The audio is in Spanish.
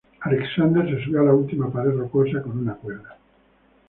Alexander se subió a la última pared rocosa con una cuerda.